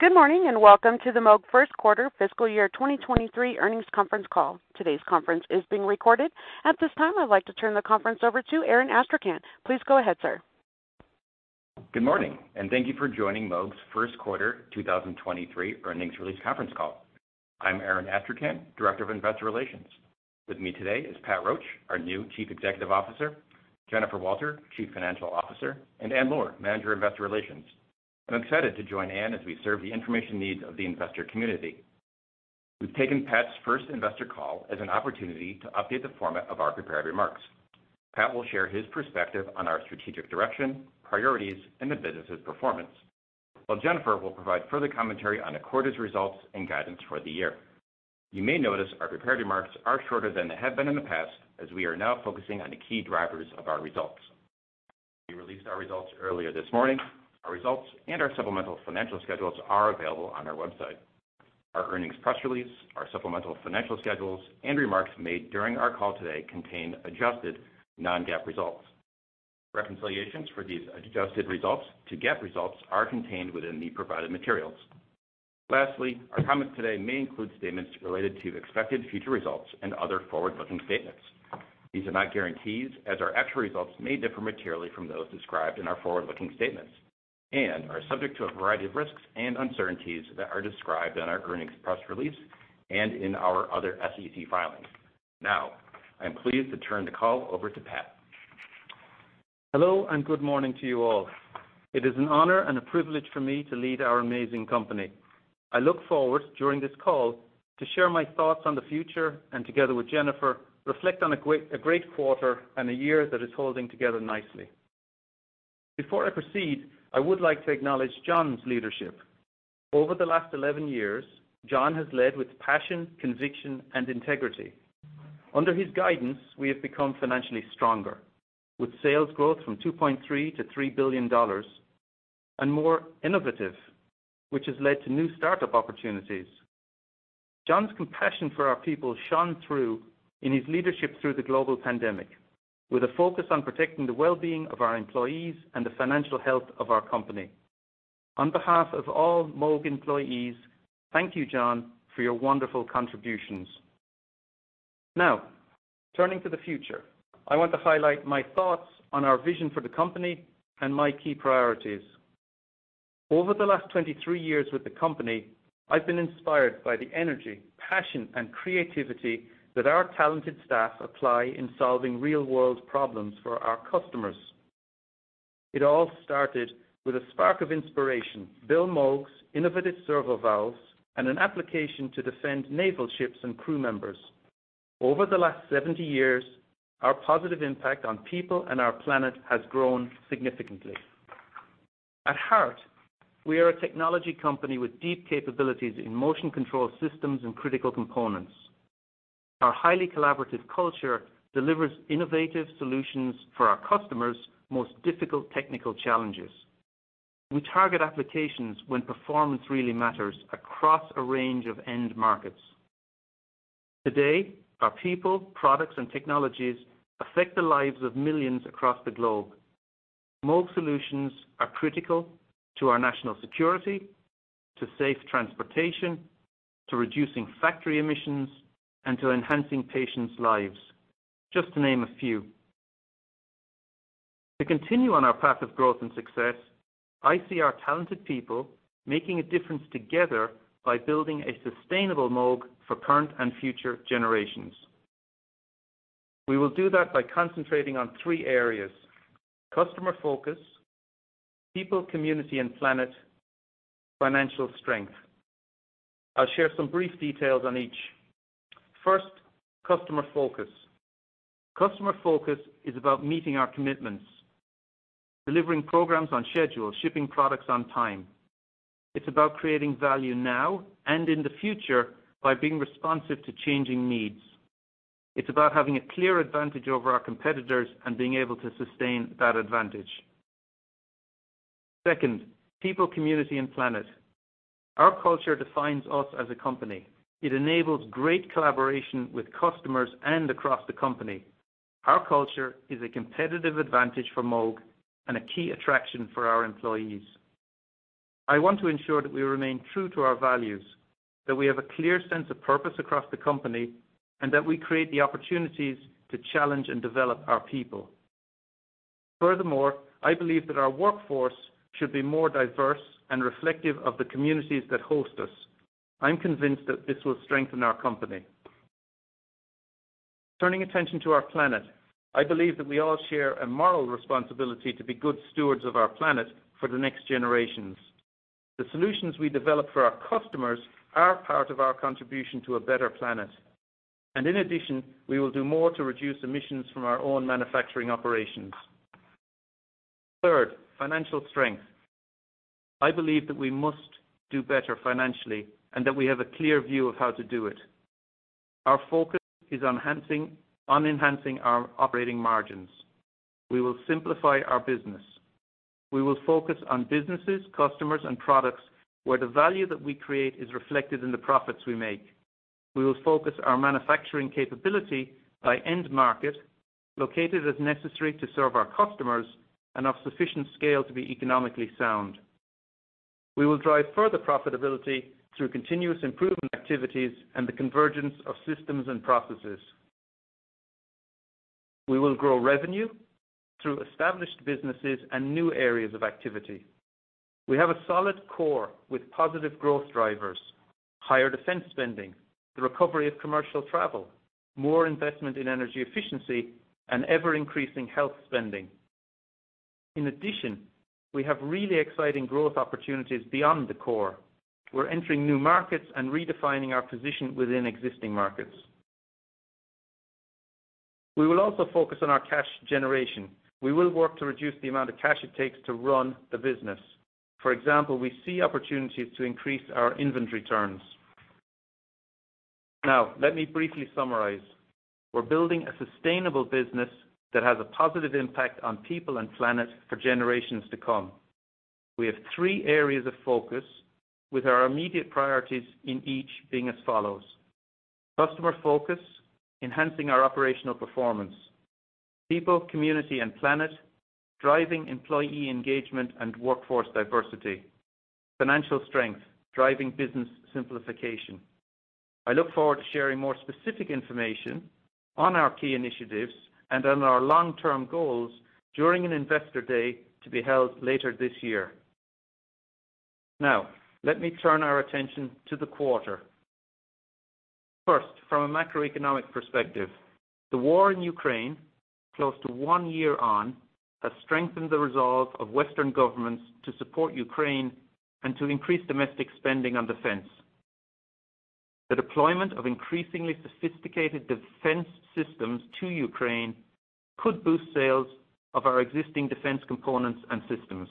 Good morning, and welcome to the Moog First Quarter Fiscal Year 2023 Earnings Conference Call. Today's conference is being recorded. At this time, I'd like to turn the conference over to Aaron Astrachan. Please go ahead, sir. Good morning, thank you for joining Moog's first quarter 2023 earnings release conference call. I'm Aaron Astrachan, Director of Investor Relations. With me today is Pat Roche, our new Chief Executive Officer, Jennifer Walter, Chief Financial Officer, and Ann Luhr, Manager Investor Relations. I'm excited to join Ann as we serve the information needs of the investor community. We've taken Pat's first investor call as an opportunity to update the format of our prepared remarks. Pat will share his perspective on our strategic direction, priorities, and the business's performance, while Jennifer will provide further commentary on the quarter's results and guidance for the year. You may notice our prepared remarks are shorter than they have been in the past, as we are now focusing on the key drivers of our results. We released our results earlier this morning. Our results and our supplemental financial schedules are available on our website. Our earnings press release, our supplemental financial schedules, and remarks made during our call today contain adjusted non-GAAP results. Reconciliations for these adjusted results to GAAP results are contained within the provided materials. Lastly, our comments today may include statements related to expected future results and other forward-looking statements. These are not guarantees, as our actual results may differ materially from those described in our forward-looking statements and are subject to a variety of risks and uncertainties that are described in our earnings press release and in our other SEC filings. Now, I'm pleased to turn the call over to Pat. Hello, and good morning to you all. It is an honor and a privilege for me to lead our amazing company. I look forward during this call to share my thoughts on the future and together with Jennifer, reflect on a great quarter and a year that is holding together nicely. Before I proceed, I would like to acknowledge John's leadership. Over the last 11 years, John has led with passion, conviction, and integrity. Under his guidance, we have become financially stronger, with sales growth from $2.3 billion-$3 billion, and more innovative, which has led to new startup opportunities. John's compassion for our people shone through in his leadership through the global pandemic, with a focus on protecting the well-being of our employees and the financial health of our company. On behalf of all Moog employees, thank you, John, for your wonderful contributions. Now, turning to the future, I want to highlight my thoughts on our vision for the company and my key priorities. Over the last 23 years with the company, I've been inspired by the energy, passion, and creativity that our talented staff apply in solving real-world problems for our customers. It all started with a spark of inspiration, Bill Moog's innovative servo valves and an application to defend naval ships and crew members. Over the last 70 years, our positive impact on people and our planet has grown significantly. At heart, we are a technology company with deep capabilities in motion control systems and critical components. Our highly collaborative culture delivers innovative solutions for our customers' most difficult technical challenges. We target applications when performance really matters across a range of end markets. Today, our people, products, and technologies affect the lives of millions across the globe. Moog solutions are critical to our national security, to safe transportation, to reducing factory emissions, and to enhancing patients' lives, just to name a few. To continue on our path of growth and success, I see our talented people making a difference together by building a sustainable Moog for current and future generations. We will do that by concentrating on three areas: customer focus. People, community, and planet. Financial strength. I'll share some brief details on each. First, customer focus. Customer focus is about meeting our commitments, delivering programs on schedule, shipping products on time. It's about creating value now and in the future by being responsive to changing needs. It's about having a clear advantage over our competitors and being able to sustain that advantage. Second, people, community, and planet. Our culture defines us as a company. It enables great collaboration with customers and across the company. Our culture is a competitive advantage for Moog and a key attraction for our employees. I want to ensure that we remain true to our values, that we have a clear sense of purpose across the company, and that we create the opportunities to challenge and develop our people. Furthermore, I believe that our workforce should be more diverse and reflective of the communities that host us. I'm convinced that this will strengthen our company. Turning attention to our planet, I believe that we all share a moral responsibility to be good stewards of our planet for the next generations. The solutions we develop for our customers are part of our contribution to a better planet. In addition, we will do more to reduce emissions from our own manufacturing operations. Third, financial strength. I believe that we must do better financially and that we have a clear view of how to do it. Our focus is on enhancing our operating margins. We will simplify our business. We will focus on businesses, customers, and products where the value that we create is reflected in the profits we make. We will focus our manufacturing capability by end market, located as necessary to serve our customers and of sufficient scale to be economically sound. We will drive further profitability through continuous improvement activities and the convergence of systems and processes. We will grow revenue through established businesses and new areas of activity. We have a solid core with positive growth drivers, higher defense spending, the recovery of commercial travel, more investment in energy efficiency, and ever-increasing health spending. In addition, we have really exciting growth opportunities beyond the core. We're entering new markets and redefining our position within existing markets. We will also focus on our cash generation. We will work to reduce the amount of cash it takes to run the business. For example, we see opportunities to increase our inventory turns. Let me briefly summarize. We're building a sustainable business that has a positive impact on people and planet for generations to come. We have three areas of focus with our immediate priorities in each being as follows: Customer focus, enhancing our operational performance. People, community, and planet, driving employee engagement and workforce diversity. Financial strength, driving business simplification. I look forward to sharing more specific information on our key initiatives and on our long-term goals during an investor day to be held later this year. Let me turn our attention to the quarter. First, from a macroeconomic perspective, the war in Ukraine, close to one year on, has strengthened the resolve of Western governments to support Ukraine and to increase domestic spending on defense. The deployment of increasingly sophisticated defense systems to Ukraine could boost sales of our existing defense components and systems.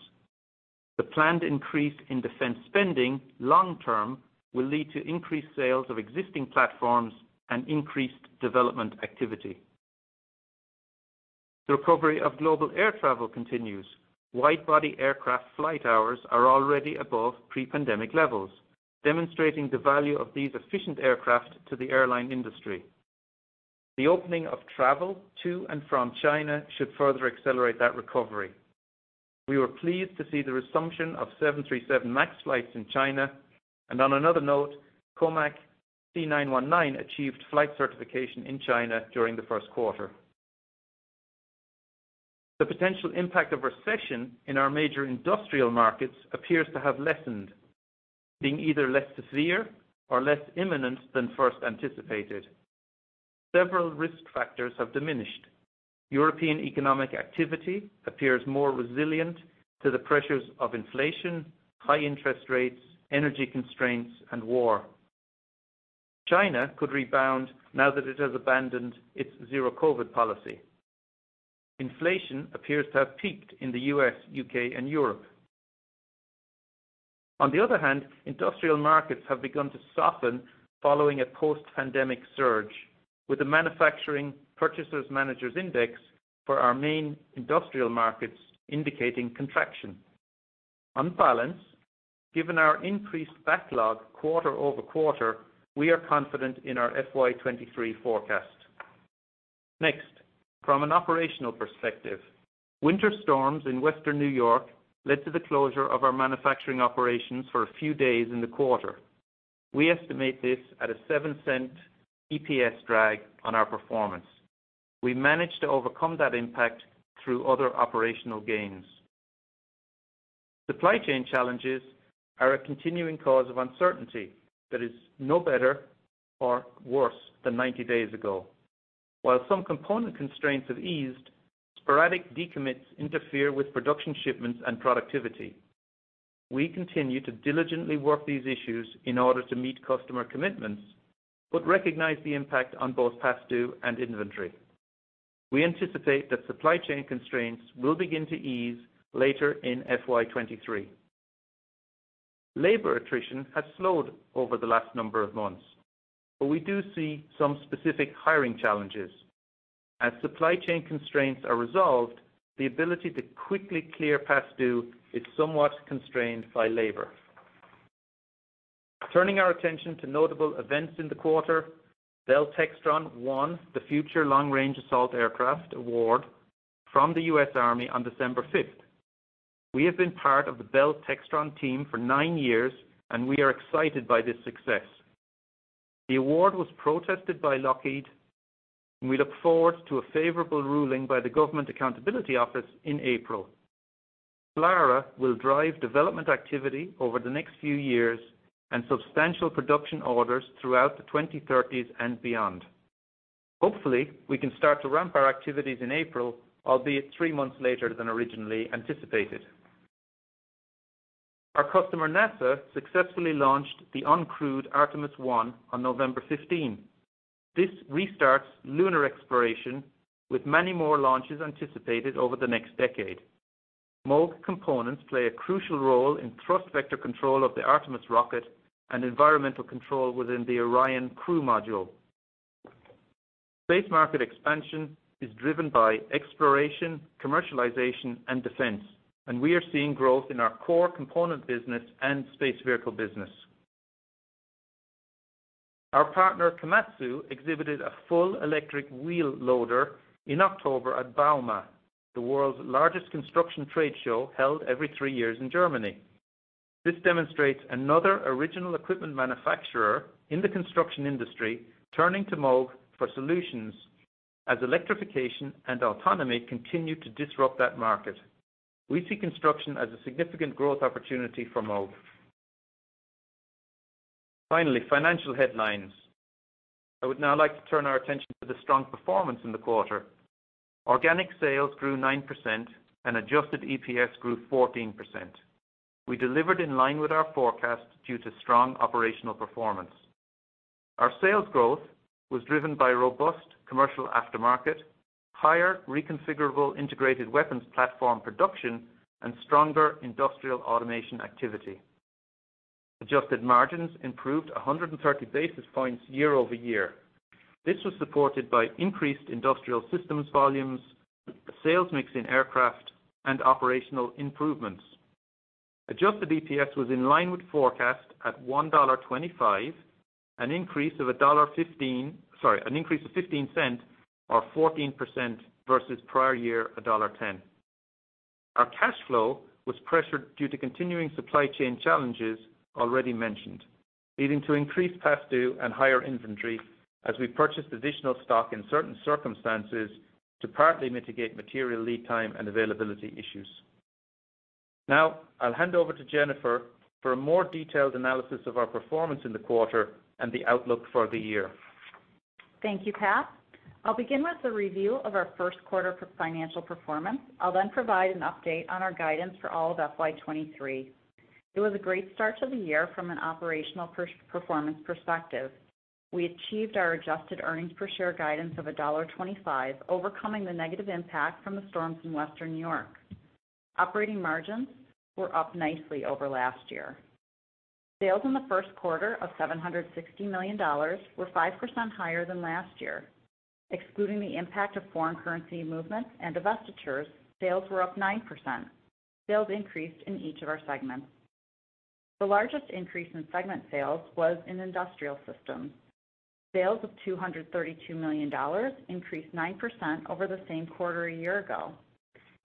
The planned increase in defense spending long term will lead to increased sales of existing platforms and increased development activity. The recovery of global air travel continues. Wide-body aircraft flight hours are already above pre-pandemic levels, demonstrating the value of these efficient aircraft to the airline industry. The opening of travel to and from China should further accelerate that recovery. We were pleased to see the resumption of 737 MAX flights in China. On another note, COMAC C919 achieved flight certification in China during the first quarter. The potential impact of recession in our major industrial markets appears to have lessened, being either less severe or less imminent than first anticipated. Several risk factors have diminished. European economic activity appears more resilient to the pressures of inflation, high interest rates, energy constraints, and war. China could rebound now that it has abandoned its zero-COVID policy. Inflation appears to have peaked in the U.S., U.K., and Europe. Industrial markets have begun to soften following a post-pandemic surge with a manufacturing Purchasing Managers' Index for our main industrial markets indicating contraction. Given our increased backlog quarter-over-quarter, we are confident in our FY 2023 forecast. From an operational perspective, winter storms in Western New York led to the closure of our manufacturing operations for a few days in the quarter. We estimate this at a $0.07 EPS drag on our performance. We managed to overcome that impact through other operational gains. Supply chain challenges are a continuing cause of uncertainty that is no better or worse than 90 days ago. While some component constraints have eased, sporadic decommits interfere with production shipments and productivity. We continue to diligently work these issues in order to meet customer commitments, but recognize the impact on both past due and inventory. We anticipate that supply chain constraints will begin to ease later in FY 2023. Labor attrition has slowed over the last number of months, but we do see some specific hiring challenges. As supply chain constraints are resolved, the ability to quickly clear past due is somewhat constrained by labor. Turning our attention to notable events in the quarter, Bell Textron won the Future Long-Range Assault Aircraft award from the U.S. Army on December 5th. We have been part of the Bell Textron team for nine years, and we are excited by this success. The award was protested by Lockheed, and we look forward to a favorable ruling by the Government Accountability Office in April. FLRAA will drive development activity over the next few years and substantial production orders throughout the 2030s and beyond. Hopefully, we can start to ramp our activities in April, albeit three months later than originally anticipated. Our customer, NASA, successfully launched the uncrewed Artemis I on November 15. This restarts lunar exploration with many more launches anticipated over the next decade. Moog components play a crucial role in thrust vector control of the Artemis rocket and environmental control within the Orion crew module. Space market expansion is driven by exploration, commercialization and defense. We are seeing growth in our core component business and space vehicle business. Our partner Komatsu exhibited a full electric wheel loader in October at bauma, the world's largest construction trade show held every three years in Germany. This demonstrates another original equipment manufacturer in the construction industry turning to Moog for solutions as electrification and autonomy continue to disrupt that market. We see construction as a significant growth opportunity for Moog. Financial headlines. I would now like to turn our attention to the strong performance in the quarter. Organic sales grew 9%. Adjusted EPS grew 14%. We delivered in line with our forecast due to strong operational performance. Our sales growth was driven by robust commercial aftermarket, higher Reconfigurable Integrated-weapons Platform production and stronger Industrial Automation activity. Adjusted margins improved 130 basis points year-over-year. This was supported by increased Industrial Systems volumes, sales mix in aircraft and operational improvements. Adjusted EPS was in line with forecast at $1.25, an increase of $0.15 or 14% versus prior year, $1.10. Our cash flow was pressured due to continuing supply chain challenges already mentioned, leading to increased past due and higher inventory as we purchased additional stock in certain circumstances to partly mitigate material lead time and availability issues. I'll hand over to Jennifer for a more detailed analysis of our performance in the quarter and the outlook for the year. Thank you, Pat. I'll provide an update on our guidance for all of FY 2023. It was a great start to the year from an operational performance perspective. We achieved our adjusted earnings per share guidance of $1.25, overcoming the negative impact from the storms in Western New York. Operating margins were up nicely over last year. Sales in the first quarter of $760 million were 5% higher than last year. Excluding the impact of foreign currency movements and divestitures, sales were up 9%. Sales increased in each of our segments. The largest increase in segment sales was in Industrial Systems. Sales of $232 million increased 9% over the same quarter a year ago.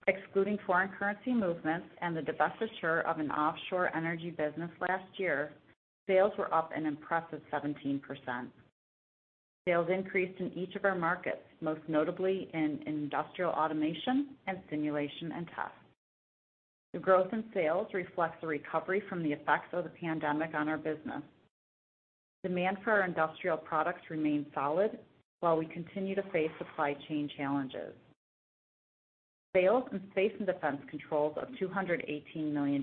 Excluding foreign currency movements and the divestiture of an offshore energy business last year, sales were up an impressive 17%. Sales increased in each of our markets, most notably in Industrial Automation and Simulation and Test. The growth in sales reflects the recovery from the effects of the pandemic on our business. Demand for our industrial products remains solid while we continue to face supply chain challenges. Sales in Space and Defense Controls of $218 million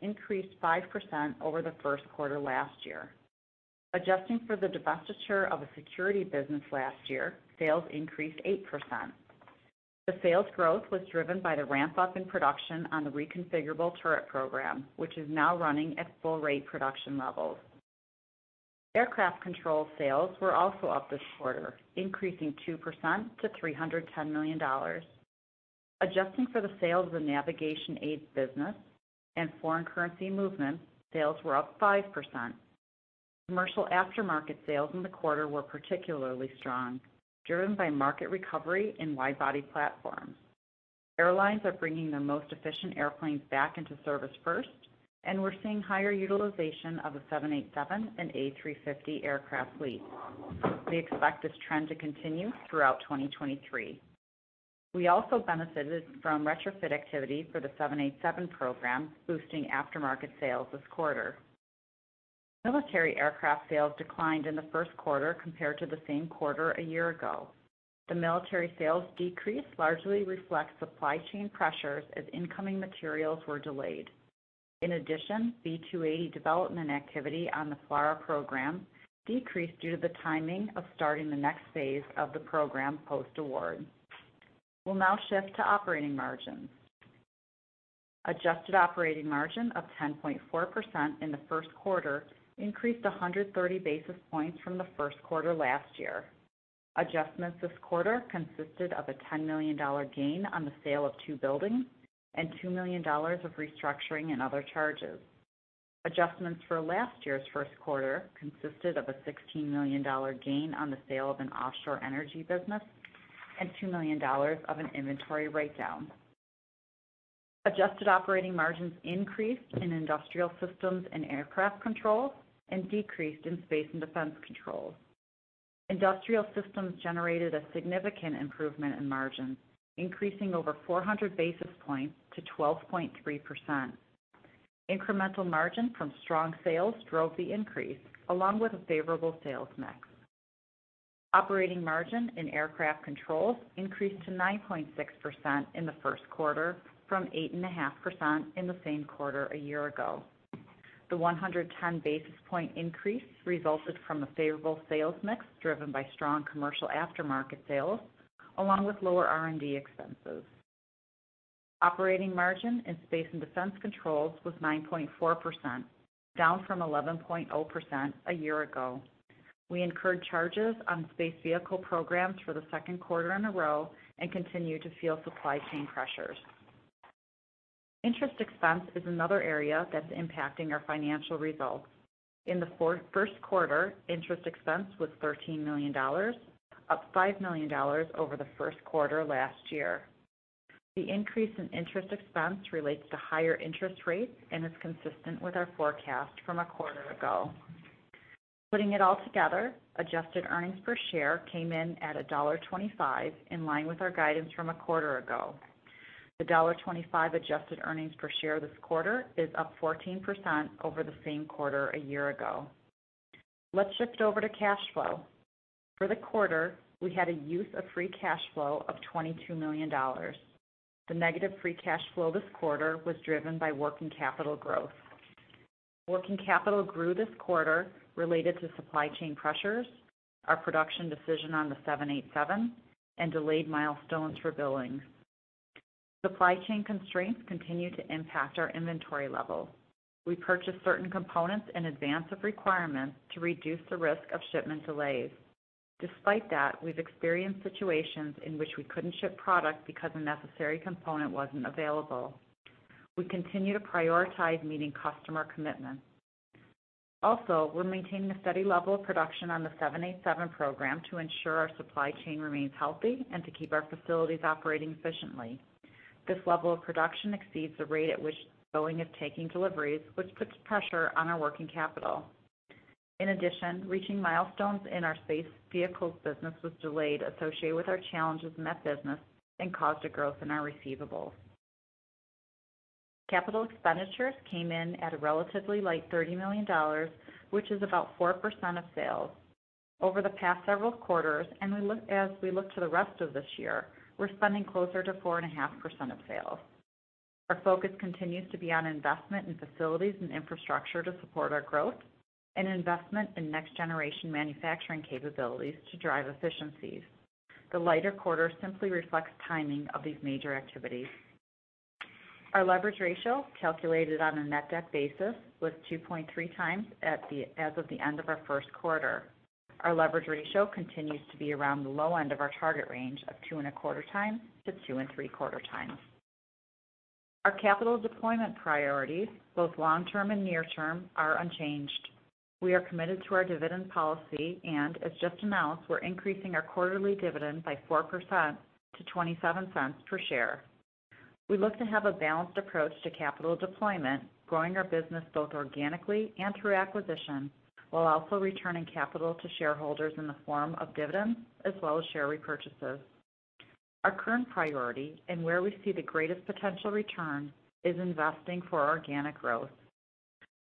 increased 5% over the first quarter last year. Adjusting for the divestiture of a security business last year, sales increased 8%. The sales growth was driven by the ramp up in production on the Reconfigurable turret program, which is now running at full rate production levels. Aircraft control sales were also up this quarter, increasing 2% to $310 million. Adjusting for the sale of the Navigation Aids business and foreign currency movements, sales were up 5%. Commercial aftermarket sales in the quarter were particularly strong, driven by market recovery in wide body platforms. Airlines are bringing their most efficient airplanes back into service first, we're seeing higher utilization of the 787 and A350 aircraft fleet. We expect this trend to continue throughout 2023. We also benefited from retrofit activity for the 787 program, boosting aftermarket sales this quarter. Military aircraft sales declined in the first quarter compared to the same quarter a year ago. The military sales decrease largely reflects supply chain pressures as incoming materials were delayed. In addition, B2A development activity on the FLRAA program decreased due to the timing of starting the next phase of the program post-award. We'll now shift to operating margins. Adjusted operating margin of 10.4% in the first quarter increased 130 basis points from the first quarter last year. Adjustments this quarter consisted of a $10 million gain on the sale of 2 buildings and $2 million of restructuring and other charges. Adjustments for last year's first quarter consisted of a $16 million gain on the sale of an offshore energy business and $2 million of an inventory write down. Adjusted operating margins increased in Industrial Systems and Aircraft Controls and decreased in Space and Defense Controls. Industrial Systems generated a significant improvement in margins, increasing over 400 basis points to 12.3%. Incremental margin from strong sales drove the increase along with a favorable sales mix. Operating margin in Aircraft Controls increased to 9.6% in the first quarter from 8.5% in the same quarter a year ago. The 110 basis point increase resulted from a favorable sales mix driven by strong commercial aftermarket sales along with lower R&D expenses. Operating margin in Space and Defense Controls was 9.4%, down from 11.0% a year ago. We incurred charges on space vehicle programs for the second quarter in a row and continue to feel supply chain pressures. Interest expense is another area that's impacting our financial results. In the first quarter, interest expense was $13 million, up $5 million over the first quarter last year. The increase in interest expense relates to higher interest rates and is consistent with our forecast from a quarter ago. Putting it all together, adjusted earnings per share came in at $1.25, in line with our guidance from a quarter ago. The $1.25 adjusted earnings per share this quarter is up 14% over the same quarter a year ago. Let's shift over to cash flow. For the quarter, we had a use of free cash flow of $22 million. The negative free cash flow this quarter was driven by working capital growth. Working capital grew this quarter related to supply chain pressures, our production decision on the 787, and delayed milestones for billings. Supply chain constraints continue to impact our inventory levels. We purchase certain components in advance of requirements to reduce the risk of shipment delays. Despite that, we've experienced situations in which we couldn't ship product because a necessary component wasn't available. We continue to prioritize meeting customer commitments. We're maintaining a steady level of production on the 787 program to ensure our supply chain remains healthy and to keep our facilities operating efficiently. This level of production exceeds the rate at which Boeing is taking deliveries, which puts pressure on our working capital. Reaching milestones in our space vehicles business was delayed associated with our challenges in that business and caused a growth in our receivables. Capital expenditures came in at a relatively light $30 million, which is about 4% of sales. Over the past several quarters, as we look to the rest of this year, we're spending closer to 4.5% of sales. Our focus continues to be on investment in facilities and infrastructure to support our growth and investment in next generation manufacturing capabilities to drive efficiencies. The lighter quarter simply reflects timing of these major activities. Our leverage ratio, calculated on a net debt basis, was 2.3x as of the end of our first quarter. Our leverage ratio continues to be around the low end of our target range of 2.25x-2.75x. Our capital deployment priorities, both long-term and near-term, are unchanged. We are committed to our dividend policy, as just announced, we're increasing our quarterly dividend by 4% to $0.27 per share. We look to have a balanced approach to capital deployment, growing our business both organically and through acquisition, while also returning capital to shareholders in the form of dividends as well as share repurchases. Our current priority, and where we see the greatest potential return, is investing for organic growth.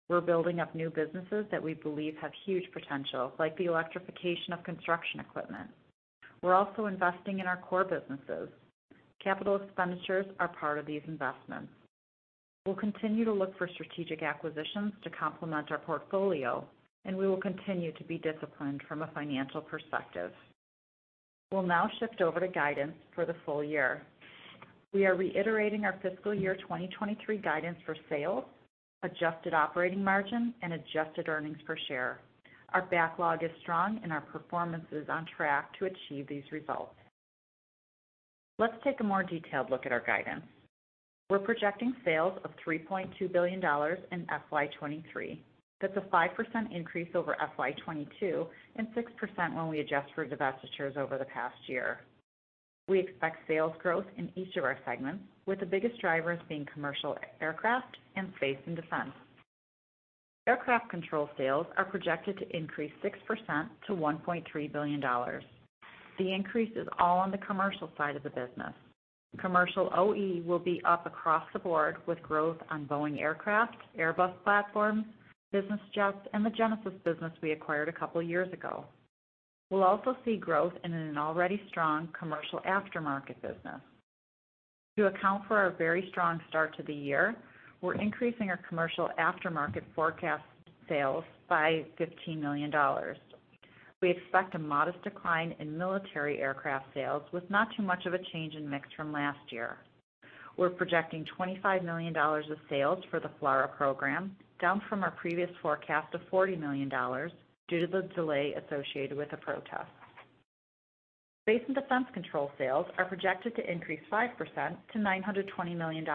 We're building up new businesses that we believe have huge potential, like the electrification of construction equipment. We're also investing in our core businesses. Capital expenditures are part of these investments. We will continue to look for strategic acquisitions to complement our portfolio, and we will continue to be disciplined from a financial perspective. We'll now shift over to guidance for the full year. We are reiterating our fiscal year 2023 guidance for sales, adjusted operating margin, and adjusted earnings per share. Our backlog is strong, and our performance is on track to achieve these results. Let's take a more detailed look at our guidance. We're projecting sales of $3.2 billion in FY 2023. That's a 5% increase over FY 2022 and 6% when we adjust for divestitures over the past year. We expect sales growth in each of our segments, with the biggest drivers being commercial aircraft and Space and Defense. Aircraft Controls sales are projected to increase 6% to $1.3 billion. The increase is all on the commercial side of the business. commercial OE will be up across the board with growth on Boeing aircraft, Airbus platforms, business jets, and the Genesys business we acquired a couple years ago. We'll also see growth in an already strong commercial aftermarket business. To account for our very strong start to the year, we're increasing our commercial aftermarket forecast sales by $15 million. We expect a modest decline in military aircraft sales with not too much of a change in mix from last year. We're projecting $25 million of sales for the FLRAA program, down from our previous forecast of $40 million due to the delay associated with the protest. Space and Defense Controls sales are projected to increase 5% to $920 million.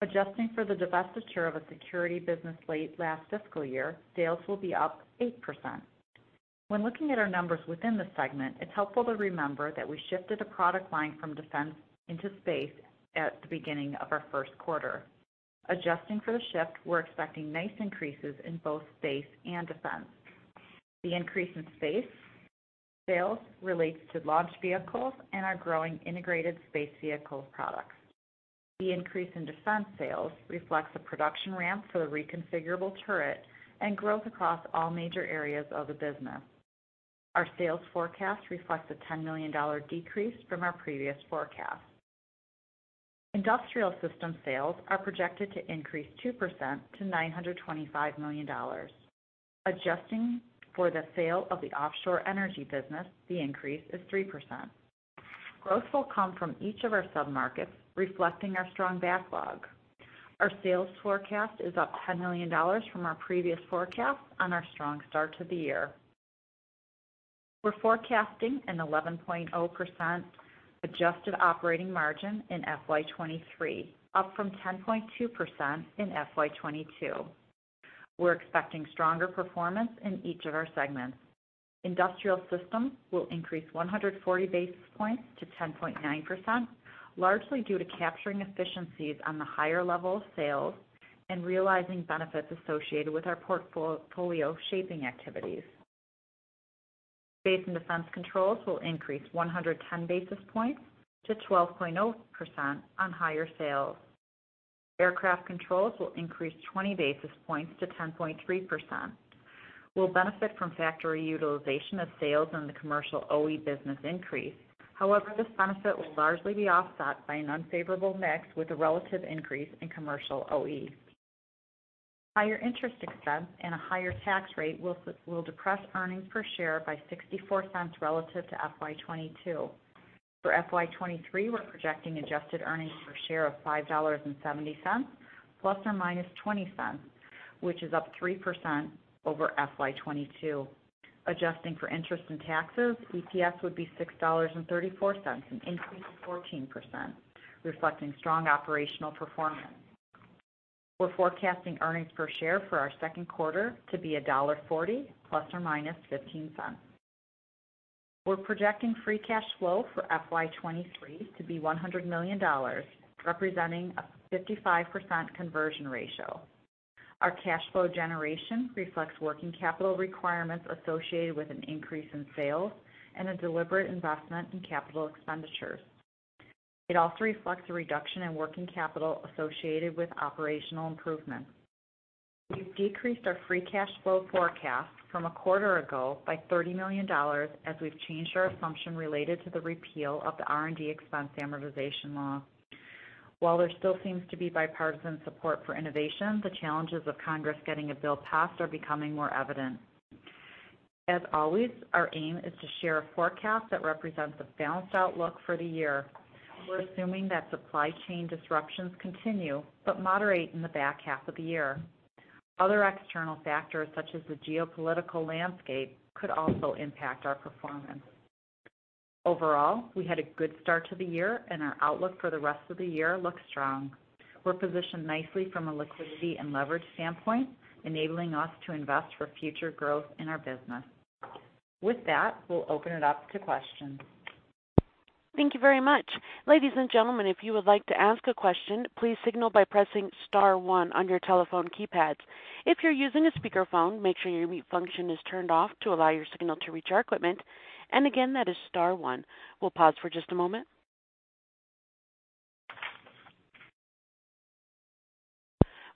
Adjusting for the divestiture of a security business late last fiscal year, sales will be up 8%. When looking at our numbers within the segment, it's helpful to remember that we shifted a product line from Defense into Space at the beginning of our first quarter. Adjusting for the shift, we're expecting nice increases in both Space and Defense. The increase in Space sales relates to launch vehicles and our growing integrated space vehicles products. The increase in Defense sales reflects a production ramp for the reconfigurable turret and growth across all major areas of the business. Our sales forecast reflects a $10 million decrease from our previous forecast. Industrial Systems sales are projected to increase 2% to $925 million. Adjusting for the sale of the offshore energy business, the increase is 3%. Growth will come from each of our submarkets reflecting our strong backlog. Our sales forecast is up $10 million from our previous forecast on our strong start to the year. We're forecasting an 11.0% adjusted operating margin in FY 2023, up from 10.2% in FY 2022. We're expecting stronger performance in each of our segments. Industrial Systems will increase 140 basis points to 10.9%, largely due to capturing efficiencies on the higher level of sales and realizing benefits associated with our portfolio shaping activities. Space and Defense Controls will increase 110 basis points to 12.0% on higher sales. Aircraft Controls will increase 20 basis points to 10.3%, will benefit from factory utilization of sales in the commercial OE business increase. However, this benefit will largely be offset by an unfavorable mix with a relative increase in commercial OE. Higher interest expense and a higher tax rate will depress earnings per share by $0.64 relative to FY 2022. For FY 2023, we're projecting adjusted earnings per share of $5.70 ±$0.20, which is up 3% over FY 2022. Adjusting for interest and taxes, EPS would be $6.34, an increase of 14%, reflecting strong operational performance. We're forecasting earnings per share for our second quarter to be $1.40 ±$0.15. We're projecting free cash flow for FY 2023 to be $100 million, representing a 55% conversion ratio. Our cash flow generation reflects working capital requirements associated with an increase in sales and a deliberate investment in capital expenditures. It also reflects a reduction in working capital associated with operational improvements. We've decreased our free cash flow forecast from a quarter ago by $30 million as we've changed our assumption related to the repeal of the R&D expense amortization law. While there still seems to be bipartisan support for innovation, the challenges of Congress getting a bill passed are becoming more evident. As always, our aim is to share a forecast that represents a balanced outlook for the year. We're assuming that supply chain disruptions continue but moderate in the back half of the year. Other external factors such as the geopolitical landscape could also impact our performance. Overall, we had a good start to the year and our outlook for the rest of the year looks strong. We're positioned nicely from a liquidity and leverage standpoint, enabling us to invest for future growth in our business. With that, we'll open it up to questions. Thank you very much. Ladies and gentlemen, if you would like to ask a question, please signal by pressing star one on your telephone keypads. If you're using a speakerphone, make sure your mute function is turned off to allow your signal to reach our equipment. Again, that is star one. We'll pause for just a moment.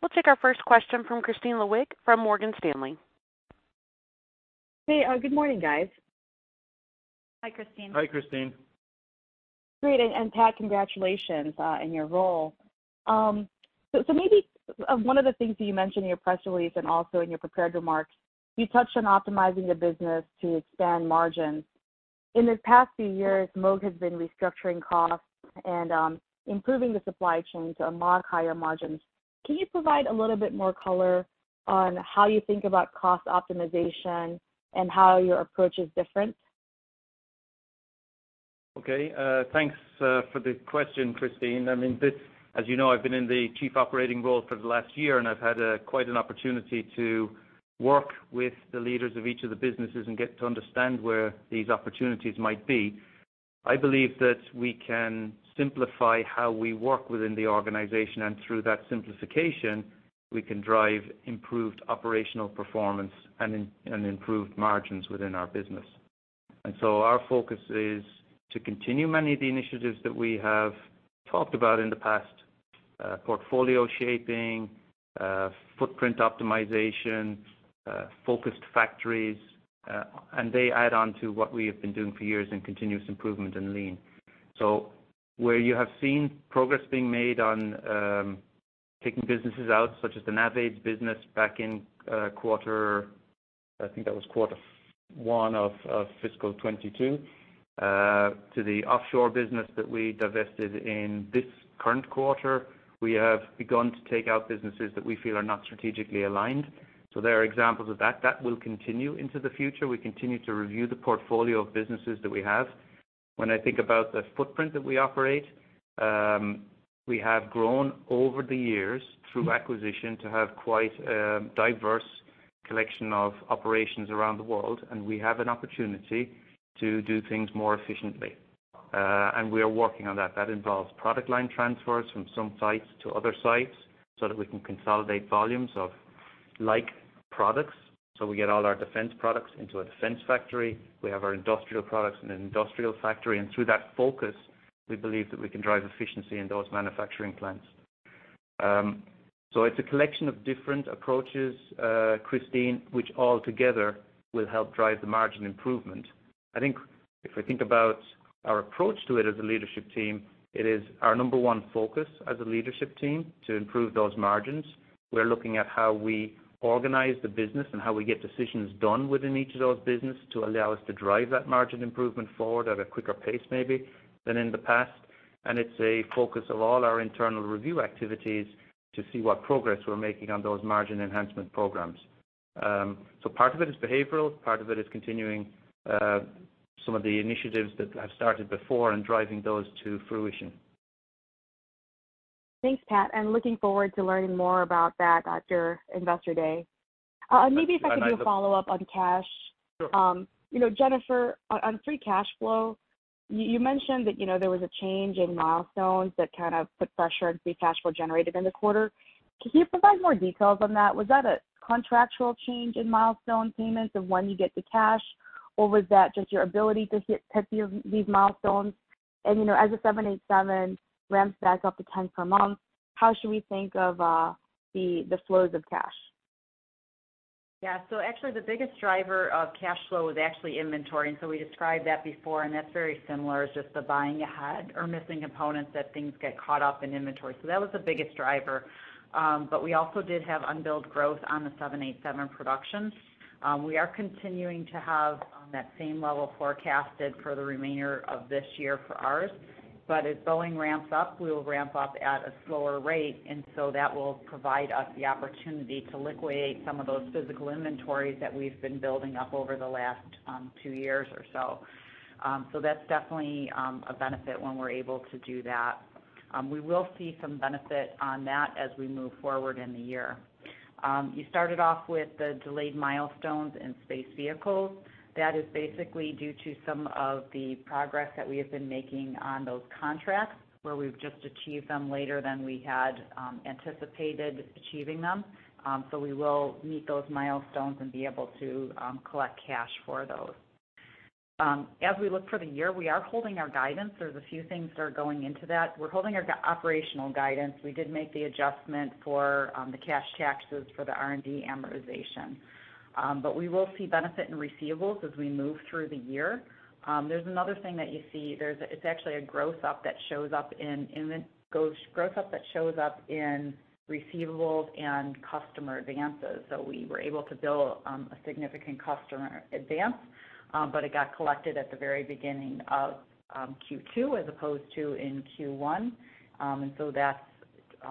We'll take our first question from Christina Cheng from Morgan Stanley. Hey, good morning, guys. Hi, Christine. Hi, Christine. Great. Pat, congratulations in your role. Maybe one of the things that you mentioned in your press release and also in your prepared remarks, you touched on optimizing the business to expand margins. In these past few years, Moog has been restructuring costs and improving the supply chain to unlock higher margins. Can you provide a little bit more color on how you think about cost optimization and how your approach is different? Okay. Thanks for the question, Christine. I mean, as you know, I've been in the chief operating role for the last year, and I've had quite an opportunity to work with the leaders of each of the businesses and get to understand where these opportunities might be. I believe that we can simplify how we work within the organization, and through that simplification, we can drive improved operational performance and improved margins within our business. Our focus is to continue many of the initiatives that we have talked about in the past, portfolio shaping, footprint optimization, focused factories, and they add on to what we have been doing for years in continuous improvement and lean. Where you have seen progress being made on taking businesses out, such as the NavAids business back in quarter. I think that was quarter one of fiscal 2022 to the offshore business that we divested in this current quarter. We have begun to take out businesses that we feel are not strategically aligned. There are examples of that. That will continue into the future. We continue to review the portfolio of businesses that we have. I think about the footprint that we operate, we have grown over the years through acquisition to have quite a diverse collection of operations around the world, and we have an opportunity to do things more efficiently. We are working on that. That involves product line transfers from some sites to other sites so that we can consolidate volumes of like products. We get all our defense products into a defense factory. We have our industrial products in an industrial factory. Through that focus, we believe that we can drive efficiency in those manufacturing plants. So it's a collection of different approaches, Christine, which all together will help drive the margin improvement. I think if we think about our approach to it as a leadership team, it is our number one focus as a leadership team to improve those margins. We're looking at how we organize the business and how we get decisions done within each of those business to allow us to drive that margin improvement forward at a quicker pace maybe than in the past. It's a focus of all our internal review activities to see what progress we're making on those margin enhancement programs. So part of it is behavioral, part of it is continuing some of the initiatives that have started before and driving those to fruition. Thanks, Pat. I'm looking forward to learning more about that at your Investor Day. I know. Maybe if I could do a follow-up on cash. Sure. You know, Jennifer, on free cash flow, you mentioned that, you know, there was a change in milestones that kind of put pressure on free cash flow generated in the quarter. Could you provide more details on that? Was that a contractual change in milestone payments of when you get the cash? Or was that just your ability to hit these milestones? You know, as the 787 ramps back up to 10 per month, how should we think of the flows of cash? Actually the biggest driver of cash flow was actually inventory. We described that before, and that's very similar. It's just the buying ahead or missing components that things get caught up in inventory. That was the biggest driver. We also did have unbilled growth on the 787 production. We are continuing to have that same level forecasted for the remainder of this year for ours. As Boeing ramps up, we will ramp up at a slower rate. That will provide us the opportunity to liquidate some of those physical inventories that we've been building up over the last two years or so. That's definitely a benefit when we're able to do that. We will see some benefit on that as we move forward in the year. You started off with the delayed milestones in space vehicles. That is basically due to some of the progress that we have been making on those contracts, where we've just achieved them later than we had anticipated achieving them. We will meet those milestones and be able to collect cash for those. As we look for the year, we are holding our guidance. There's a few things that are going into that. We're holding our operational guidance. We did make the adjustment for the cash taxes for the R&D amortization. We will see benefit in receivables as we move through the year. There's another thing that you see. There's actually a growth up that shows up in receivables and customer advances. We were able to bill a significant customer advance, but it got collected at the very beginning of Q2 as opposed to in Q1. That's,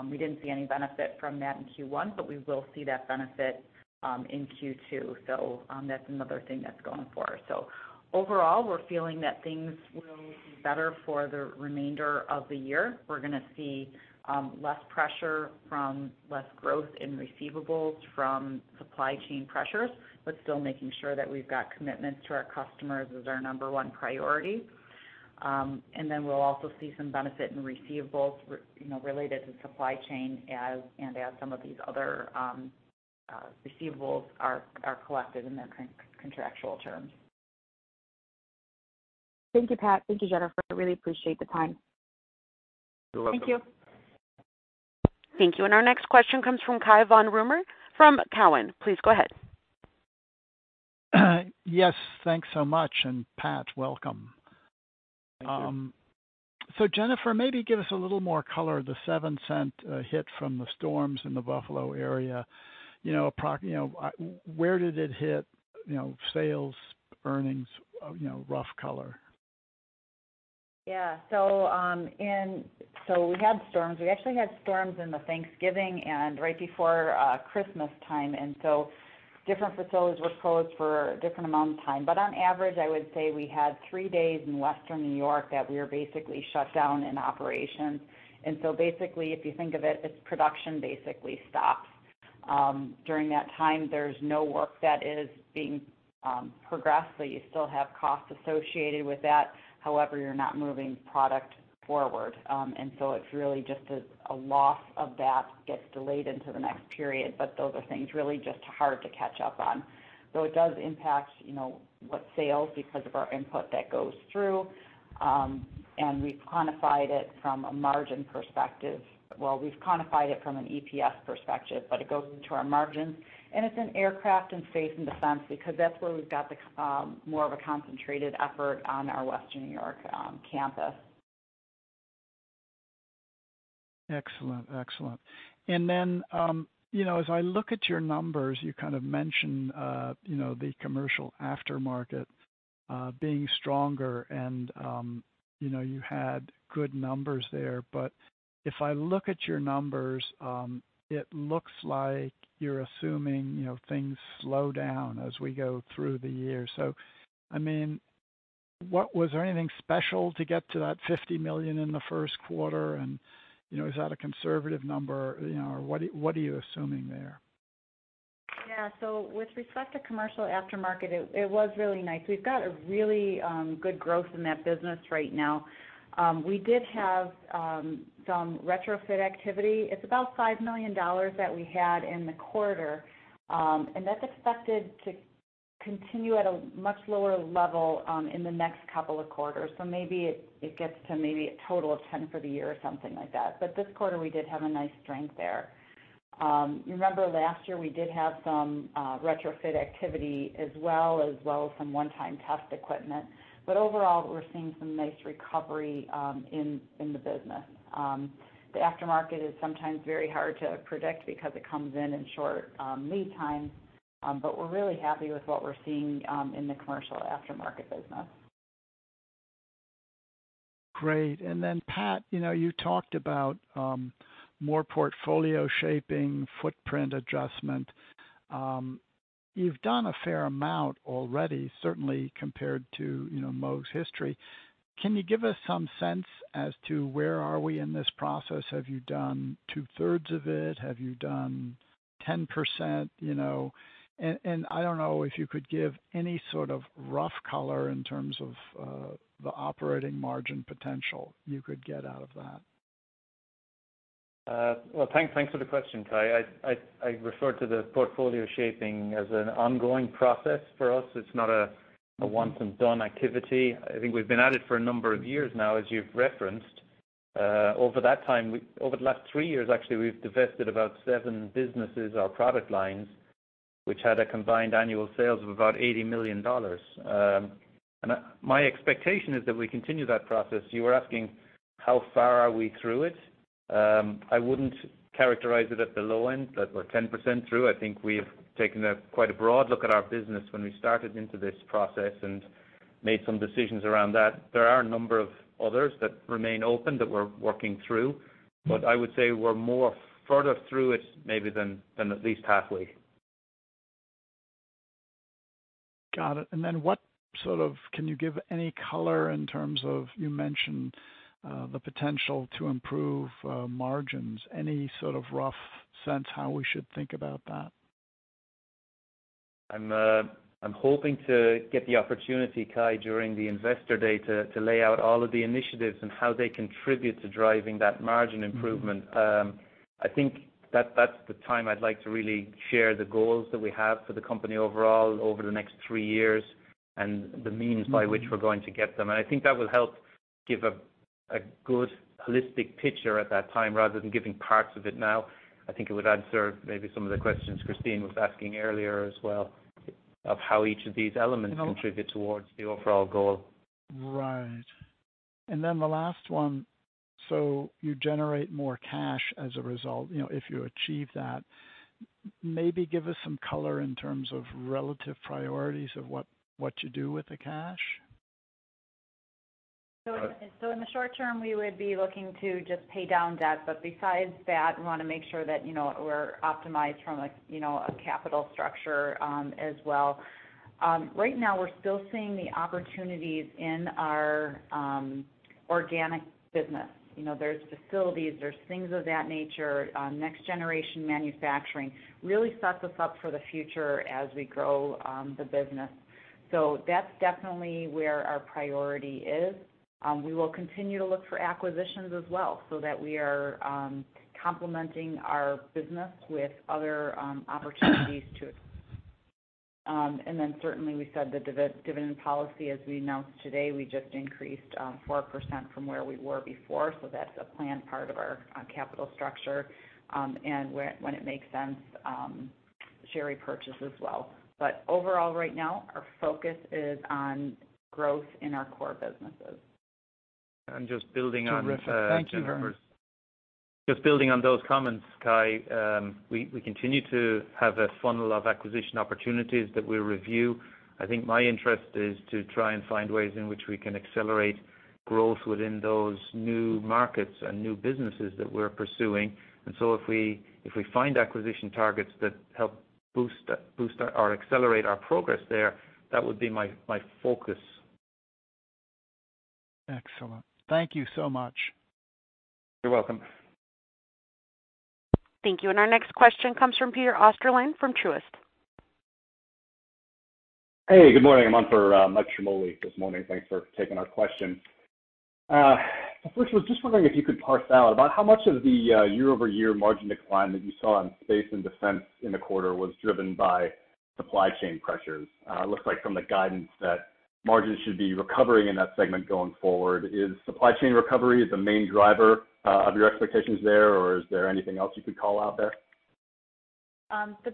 we didn't see any benefit from that in Q1, but we will see that benefit in Q2. That's another thing that's going for us. Overall, we're feeling that things will be better for the remainder of the year. We're gonna see less pressure from less growth in receivables from supply chain pressures, but still making sure that we've got commitments to our customers as our number one priority. Then we'll also see some benefit in receivables, you know, related to supply chain as, and as some of these other receivables are collected in their contractual terms. Thank you, Pat. Thank you, Jennifer. I really appreciate the time. You're welcome. Thank you. Thank you. Our next question comes from Cai von Rumohr from Cowen. Please go ahead. Yes, thanks so much, and Pat, welcome. Thank you. Jennifer, maybe give us a little more color, the $0.07 hit from the storms in the Buffalo area. You know, you know, where did it hit, you know, sales, earnings, you know, rough color? We had storms. We actually had storms in the Thanksgiving and right before Christmas time, and so different facilities were closed for a different amount of time. On average, I would say we had three days in Western New York that we were basically shut down in operation. Basically, if you think of it's production basically stops. During that time, there's no work that is being progressed, so you still have costs associated with that. However, you're not moving product forward. So it's really just a loss of that gets delayed into the next period. Those are things really just hard to catch up on. It does impact, you know, what sales because of our input that goes through, and we've quantified it from a margin perspective. Well, we've quantified it from an EPS perspective, but it goes into our margins. It's in Aircraft and Space and Defense because that's where we've got the more of a concentrated effort on our Western New York campus. Excellent, excellent. You know, as I look at your numbers, you kind of mention, you know, the commercial aftermarket being stronger and, you know, you had good numbers there. If I look at your numbers, it looks like you're assuming, you know, things slow down as we go through the year. I mean, what was there anything special to get to that $50 million in the first quarter? You know, is that a conservative number? You know, or what are, what are you assuming there? With respect to commercial aftermarket, it was really nice. We've got a really good growth in that business right now. We did have some retrofit activity. It's about $5 million that we had in the quarter, and that's expected to continue at a much lower level in the next couple of quarters. Maybe it gets to maybe a total of 10 for the year or something like that. This quarter, we did have a nice strength there. You remember last year we did have some retrofit activity as well, as well as some one-time test equipment. Overall, we're seeing some nice recovery in the business. The aftermarket is sometimes very hard to predict because it comes in in short lead times, but we're really happy with what we're seeing in the commercial aftermarket business. Great. Pat, you know, you talked about more portfolio shaping, footprint adjustment. You've done a fair amount already, certainly compared to, you know, Moog's history. Can you give us some sense as to where are we in this process? Have you done 2/3 of it? Have you done 10%? You know, I don't know if you could give any sort of rough color in terms of the operating margin potential you could get out of that. Well, thanks for the question, Cai. I refer to the portfolio shaping as an ongoing process for us. It's not a once and done activity. I think we've been at it for a number of years now, as you've referenced. Over that time, over the last three years, actually, we've divested about seven businesses or product lines, which had a combined annual sales of about $80 million. My expectation is that we continue that process. You were asking how far are we through it. I wouldn't characterize it at the low end, at we're 10% through. I think we've taken a quite a broad look at our business when we started into this process and made some decisions around that. There are a number of others that remain open that we're working through, but I would say we're more further through it maybe than at least halfway. Got it. What sort of... Can you give any color in terms of, you mentioned, the potential to improve, margins? Any sort of rough sense how we should think about that? I'm hoping to get the opportunity, Cai, during the investor day to lay out all of the initiatives and how they contribute to driving that margin improvement. I think that's the time I'd like to really share the goals that we have for the company overall over the next three years and the means by which we're going to get them. I think that will help give a good holistic picture at that time rather than giving parts of it now. I think it would answer maybe some of the questions Christine was asking earlier as well, of how each of these elements contribute towards the overall goal. Right. The last one. You generate more cash as a result, you know, if you achieve that. Maybe give us some color in terms of relative priorities of what you do with the cash. In the short term, we would be looking to just pay down debt. Besides that, we wanna make sure that, you know, we're optimized from a, you know, a capital structure as well. Right now we're still seeing the opportunities in our organic business. You know, there's facilities, there's things of that nature, next generation manufacturing, really sets us up for the future as we grow the business. That's definitely where our priority is. We will continue to look for acquisitions as well so that we are complementing our business with other opportunities to. Certainly we said the dividend policy as we announced today, we just increased 4% from where we were before. That's a planned part of our capital structure. When it makes sense, share repurchase as well. Overall, right now, our focus is on growth in our core businesses. just building on. Terrific. Thank you very much. Just building on those comments, Cai, we continue to have a funnel of acquisition opportunities that we review. I think my interest is to try and find ways in which we can accelerate growth within those new markets and new businesses that we're pursuing. If we find acquisition targets that help boost our or accelerate our progress there, that would be my focus. Excellent. Thank you so much. You're welcome. Thank you. Our next question comes from Peter Osterland from Truist. Hey, good morning. I'm on for Michael Ciarmoli this morning. Thanks for taking our question. First I was just wondering if you could parse out about how much of the year-over-year margin decline that you saw in Space and Defense in the quarter was driven by supply chain pressures? It looks like from the guidance that margins should be recovering in that segment going forward. Is supply chain recovery the main driver of your expectations there, or is there anything else you could call out there? The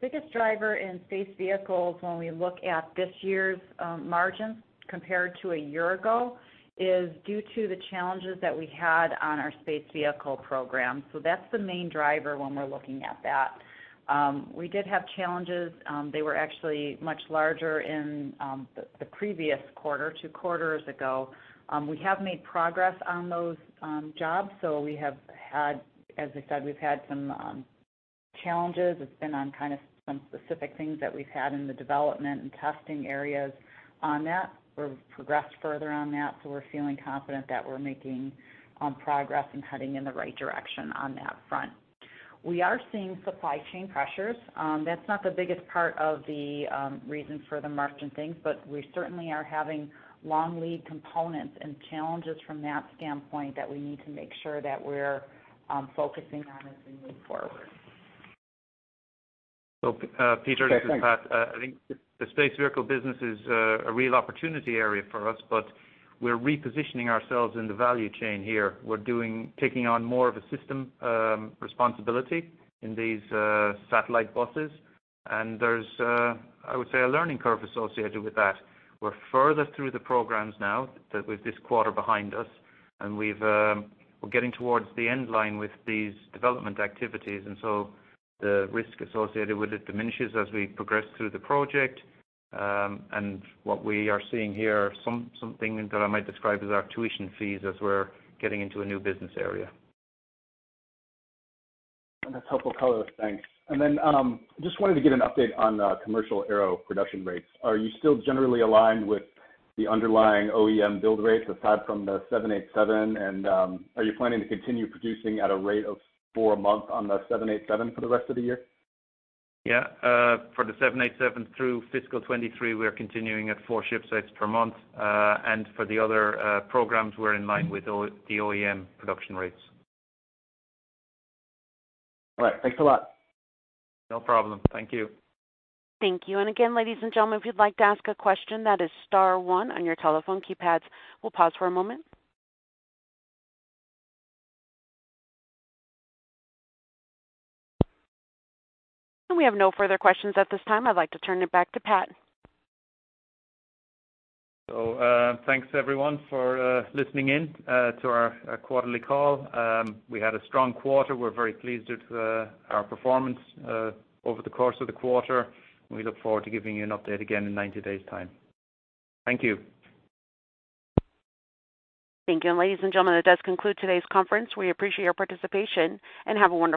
biggest driver in space vehicles when we look at this year's margins compared to a year ago, is due to the challenges that we had on our space vehicle program. That's the main driver when we're looking at that. We did have challenges. They were actually much larger in the previous quarter, two quarters ago. We have made progress on those jobs. We have had, as I said, we've had some challenges. It's been on kind of some specific things that we've had in the development and testing areas on that. We've progressed further on that, so we're feeling confident that we're making progress and heading in the right direction on that front. We are seeing supply chain pressures. That's not the biggest part of the reason for the margin things. We certainly are having long lead components and challenges from that standpoint that we need to make sure that we're focusing on as we move forward. Peter, this is Pat. I think the space vehicle business is a real opportunity area for us, but we're repositioning ourselves in the value chain here. Taking on more of a system responsibility in these satellite buses. There's, I would say, a learning curve associated with that. We're further through the programs now that with this quarter behind us, and we've, we're getting towards the end line with these development activities, and so the risk associated with it diminishes as we progress through the project. What we are seeing here, something that I might describe as our tuition fees as we're getting into a new business area. That's helpful color. Thanks. Just wanted to get an update on commercial aero production rates. Are you still generally aligned with the underlying OEM build rates aside from the 787? Are you planning to continue producing at a rate of four a month on the 787 for the rest of the year? Yeah. For the 787 through FY 2023, we are continuing at four ship sets per month. For the other programs, we're in line with the OEM production rates. All right. Thanks a lot. No problem. Thank you. Thank you. Again, ladies and gentlemen, if you'd like to ask a question, that is star one on your telephone keypads. We'll pause for a moment. We have no further questions at this time. I'd like to turn it back to Pat. Thanks everyone for listening in to our quarterly call. We had a strong quarter. We're very pleased with our performance over the course of the quarter, and we look forward to giving you an update again in 90 days time. Thank you. Thank you. Ladies and gentlemen, that does conclude today's conference. We appreciate your participation, and have a wonderful day.